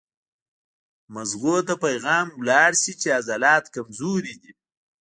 مزغو ته پېغام لاړ شي چې عضلات کمزوري دي